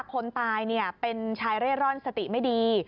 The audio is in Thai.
คนตายเป็นชายเร่ร่อนสติไม่ดี